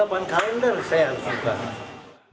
ingat delapan kalender saya harus lakukan